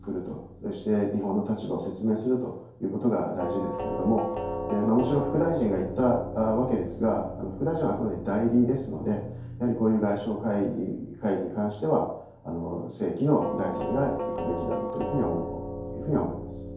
そして、日本の立場を説明するということが大事ですがもちろん副大臣が行ったわけですが副大臣はあくまで代理ですのでやはりこういう外相会議に関しては正規の大臣が行くべきだろうと思います。